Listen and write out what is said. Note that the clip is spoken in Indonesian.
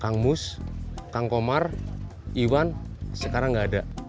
kang mus kang komar iwan sekarang nggak ada